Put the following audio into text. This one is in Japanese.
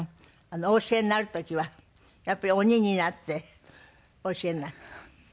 お教えになる時はやっぱり鬼になってお教えになる？